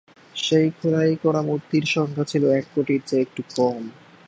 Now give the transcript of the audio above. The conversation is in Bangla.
সেই খোদাই করা মূর্তির সংখ্যা ছিল এক কোটির চেয়ে একটি কম।